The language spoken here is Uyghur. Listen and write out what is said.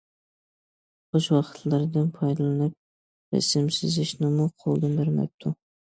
بوش ۋاقىتلىرىدىن پايدىلىنىپ رەسىم سىزىشنىمۇ قولدىن بەرمەپتۇ.